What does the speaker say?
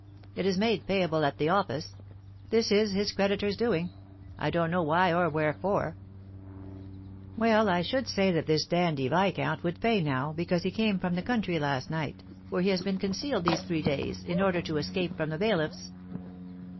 It is made payable at the office. This is his creditors' doing; I don't know why or wherefore." "Well, I should say that this dandy viscount would pay now, because he came from the country last night, where he has been concealed these three days, in order to escape from the bailiffs."